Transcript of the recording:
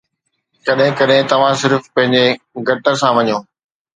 ڪڏهن ڪڏهن توهان صرف پنهنجي گٽ سان وڃو